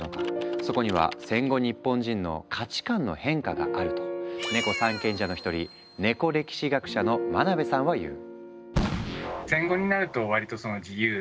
そこには戦後日本人の価値観の変化があると「ネコ三賢者」の一人ネコ歴史学者の真辺さんは言う。